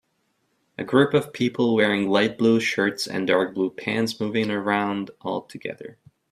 A group of people wearing light blue shirts and dark blue pants moving around all together